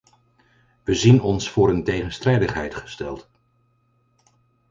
We zien ons voor een tegenstrijdigheid gesteld.